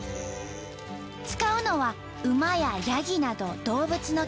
使うのは馬ややぎなど動物の毛。